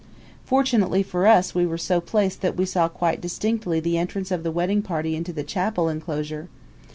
Fortunately for us we were so placed that we saw quite distinctly the entrance of the wedding party into the chapel inclosure.